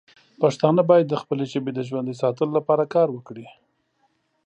پښتانه باید د خپلې ژبې د ژوندی ساتلو لپاره کار وکړي.